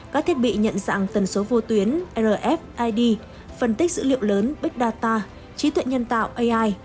các thiết bị nhận dạng tần số vô tuyến rfid phân tích dữ liệu lớn big data trí tuệ nhân tạo ai